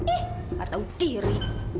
ih gak tau diri